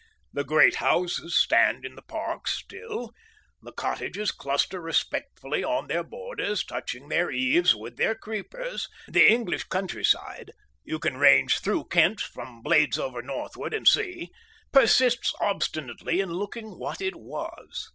The great houses stand in the parks still, the cottages cluster respectfully on their borders, touching their eaves with their creepers, the English countryside—you can range through Kent from Bladesover northward and see persists obstinately in looking what it was.